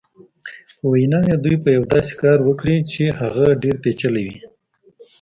په وینا یې دوی به یو داسې کار وکړي چې هغه ډېر پېچلی وي.